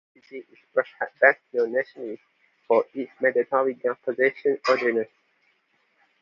The city is perhaps best known nationally for its mandatory gun-possession ordinance.